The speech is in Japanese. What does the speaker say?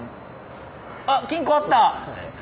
あっ金庫あった！